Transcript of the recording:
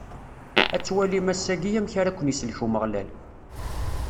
Ad twalim ass-agi, amek ara ken-isellek Umeɣlal.